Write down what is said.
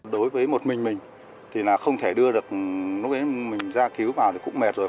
đối với một mình mình thì là không thể đưa được lúc ấy mình ra cứu vào thì cũng mệt rồi